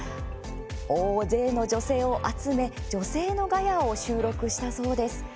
大勢の女性を集め女性のガヤを収録したそうです。